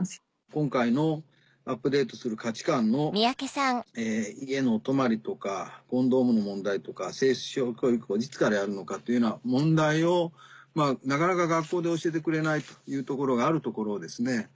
今回のアップデートする価値観の家のお泊まりとかコンドームの問題とか性教育をいつからやるのかというような問題をなかなか学校で教えてくれないというところがあるのをですね